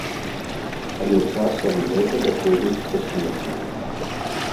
Але часам гэта даходзіць да смешнага.